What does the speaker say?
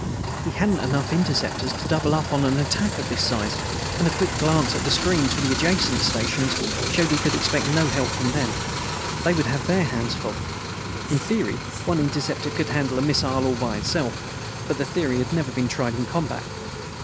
He hadn't enough interceptors to double up on an attack of this size, and a quick glance at the screens for the adjacent stations showed he could expect no help from them. They would have their hands full. In theory, one interceptor could handle a missile all by itself. But the theory had never been tried in combat.